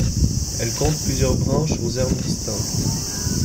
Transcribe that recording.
Elle compte plusieurs branches aux armes distinctes.